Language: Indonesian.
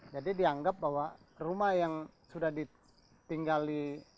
jadi dianggap bahwa rumah yang sudah ditinggali